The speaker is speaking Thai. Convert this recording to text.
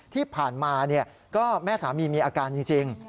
ที่ผ่านมาก็แม่สามีมีอาการจริง